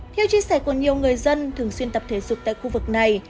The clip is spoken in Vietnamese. theo chia sẻ của nhiều người dân thường xuyên tập thể dục tại khu vực này